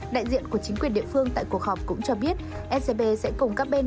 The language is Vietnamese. đại diện của chính quyền địa phương tại cuộc họp cũng cho biết scb sẽ cùng các bên